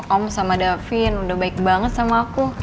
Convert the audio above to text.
om sama davin udah baik banget sama aku